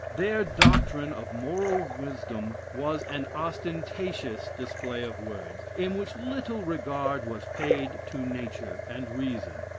Their doctrine of moral wisdom was an ostentatious display of words, in which little regard was paid to nature and reason.